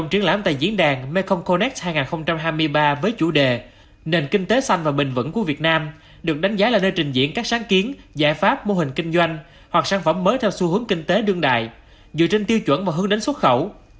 nền kinh tế xanh và bình vẩn của việt nam được đánh giá là nơi trình diễn các sáng kiến giải pháp mô hình kinh doanh hoặc sản phẩm mới theo xu hướng kinh tế đương đại dựa trên tiêu chuẩn và hướng đến xuất khẩu